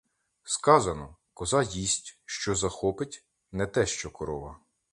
Сказано: коза їсть, що захопить — не те, що корова.